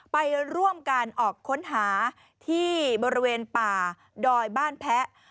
ไปร่วมการออกค้นหาที่บริเวณป่าดอยบ้านแพ้